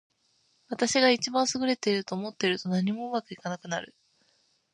私が一番優れていると思っていると、何もうまくいかなくなる。